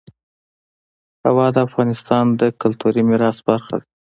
هوا د افغانستان د کلتوري میراث برخه ده.